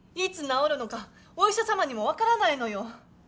いつ治るのかお医者様にも分からないのよ。